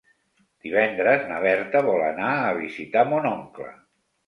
Divendres na Berta vol anar a visitar mon oncle.